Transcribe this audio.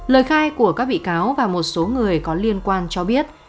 lời khai của các bị cáo và một số người có liên quan cho biết